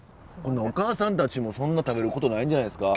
お母さんたちもそんな食べることないんじゃないですか？